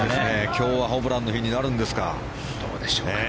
今日はホブランの日になるんですか。